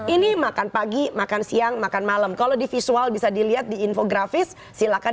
ini makan pagi makan siang makan malam kalau divisual bisa dilihat di infografis silahkan